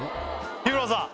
日村さん